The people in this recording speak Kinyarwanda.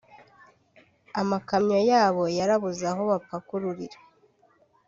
amakamyo yabo yarabuze aho apakururira